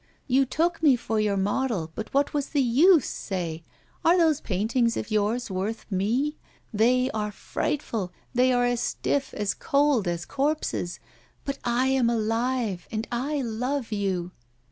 You took me for your model, but what was the use, say? Are those paintings of yours worth me? They are frightful, they are as stiff, as cold as corpses. But I am alive, and I love you!